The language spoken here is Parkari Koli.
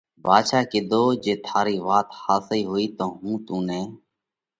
ڀاڌشا ڪِيڌو: جي ٿارئي وات ۿاسئِي هوئِي تو هُون تُون نئہ،